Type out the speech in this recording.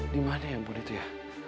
dimana ya ampun itu ya